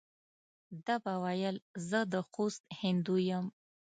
ده به ویل زه د خوست هندو یم.